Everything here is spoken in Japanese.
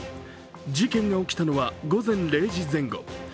事件が起きたのは午前０時前後。